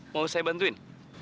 mau saya bantuin